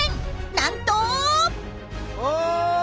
なんと！